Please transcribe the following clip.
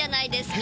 え？